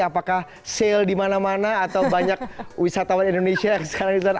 apakah sale di mana mana atau banyak wisatawan indonesia yang sekarang di sana